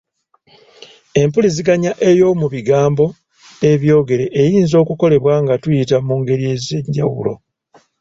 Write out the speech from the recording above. Empuliziganya ey’omu bigambo ebyogere eyinza okukolebwa nga tuyita mu ngeri ez'enjawulo.